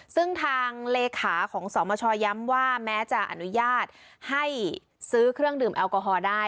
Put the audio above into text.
ซึ่งทางเลขาของสมชย้ำว่าแม้จะอนุญาตให้ซื้อเครื่องดื่มแอลกอฮอล์ได้